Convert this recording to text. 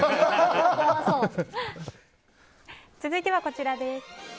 続いてはこちらです。